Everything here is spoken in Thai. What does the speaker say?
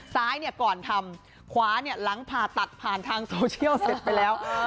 ซ้ายเนี่ยก่อนทำขวาหลังผ่าตัดผ่านทางโซเชียลเสร็จไปแล้ว